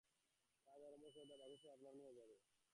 কাজ আরম্ভ করে দাও, বাকী সব আপনা-আপনি হয়ে যাবে।